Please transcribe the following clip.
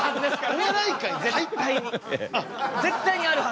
絶対にあるはず。